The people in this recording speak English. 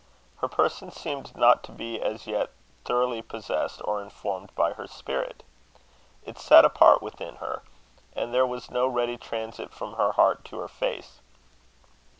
Her person seemed not to be as yet thoroughly possessed or informed by her spirit. It sat apart within her; and there was no ready transit from her heart to her face.